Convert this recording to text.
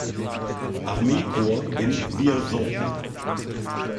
Armeekorps in Vierzon.